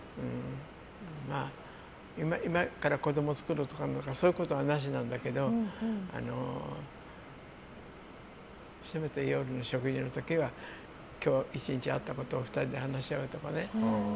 まあ、今から子供を作るとかそういうことはなしなんだけどせめて夜の食事の時は今日１日あったことを２人で話し合うとか。